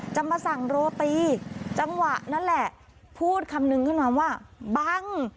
จะมาสั่งโรตีจังหวะนั่นแหละพูดคำนึงขึ้นมาว่าบัง